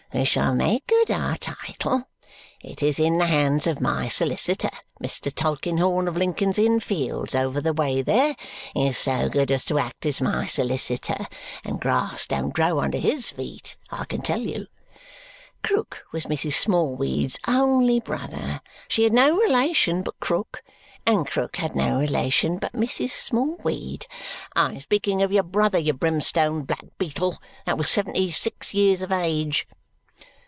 We shall make good our title. It is in the hands of my solicitor. Mr. Tulkinghorn, of Lincoln's Inn Fields, over the way there, is so good as to act as my solicitor; and grass don't grow under HIS feet, I can tell ye. Krook was Mrs. Smallweed's only brother; she had no relation but Krook, and Krook had no relation but Mrs. Smallweed. I am speaking of your brother, you brimstone black beetle, that was seventy six years of age."